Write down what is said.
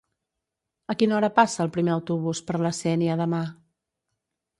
A quina hora passa el primer autobús per la Sénia demà?